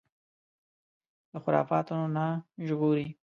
له خرافاتو نه ژغوري